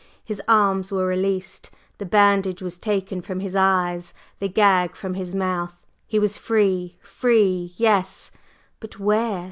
His arms were released, the bandage was taken from his eyes, the gag from his mouth he was free! Free yes! but where?